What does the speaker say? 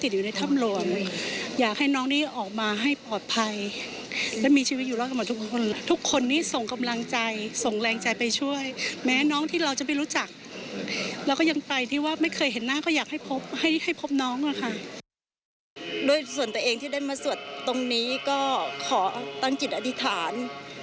โดยตัวเองที่ได้มาสวดตรงนี้ก็ขอตั้งจิตอธิษฐาน